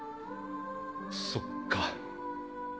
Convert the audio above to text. そっか。